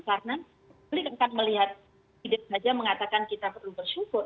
karena kita melihat tidak saja mengatakan kita perlu bersyukur